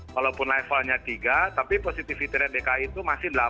walaupun levelnya tiga tapi positivity rate dki itu masih delapan sepuluh